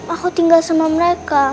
aku tinggal sama mereka